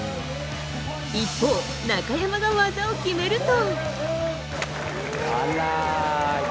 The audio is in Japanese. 一方、中山が技を決めると。